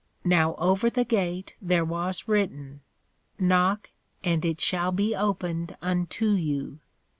Now over the Gate there was written, _Knock and it shall be opened unto you.